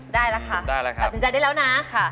ได้แล้วค่ะตัดสินใจได้แล้วนะ